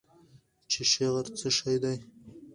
چې شعر څه شی دی؟